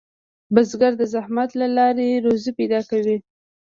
بزګر د زحمت له لارې روزي پیدا کوي